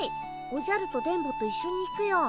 おじゃると電ボと一緒に行くよ。